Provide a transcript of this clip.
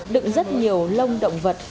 đựng rất nhiều lông động vật